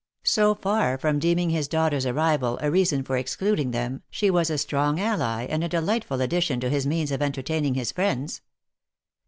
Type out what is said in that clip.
So far from deeming his daughter s arrival a reason for excluding them, she was a strong ally, and a delightful addition to his means of entertaining his friends.